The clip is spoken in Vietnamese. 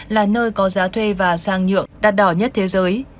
là nơi có giá thuê và sang nhượng đắt đỏ nhất thế giới